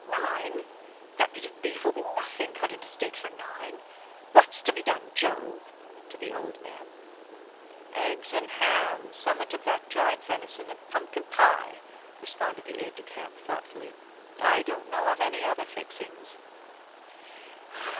"Nine! That bit of beef will be nothing, cut into steaks for nine. What's to be done, Joe?" (to the old man.) "Eggs and ham, summat of that dried venison, and pumpkin pie," responded the aide de camp, thoughtfully. "I don't know of any other fixings."